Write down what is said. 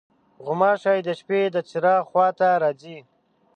غوماشې د شپې د چراغ خوا ته راځي.